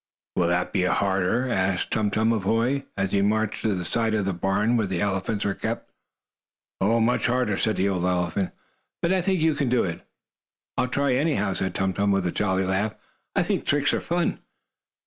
"Will that be harder?" asked Tum Tum of Hoy as he marched to the side of the barn where the elephants were kept. "Much harder," said the old elephant. "But I think you can do it." "I'll try, anyhow," spoke Tum Tum, with a jolly laugh. "I think tricks are fun."